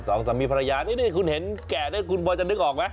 สองสามีภรรยานี่คุณเห็นแก่ด้วยคุณพอจะนึกออกไหม